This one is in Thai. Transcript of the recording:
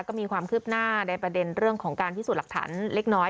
ก็มีความคืบหน้าในประเด็นเรื่องของการพิสูจน์หลักฐานเล็กน้อย